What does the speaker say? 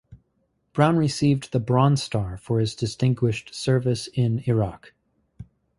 Brown received the Bronze Star for his distinguished service in Iraq.